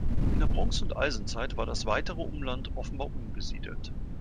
In der Bronze- und Eisenzeit war das weitere Umland offenbar unbesiedelt.